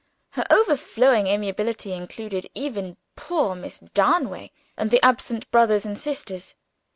Her overflowing amiability included even poor Miss Darnaway and the absent brothers and sisters.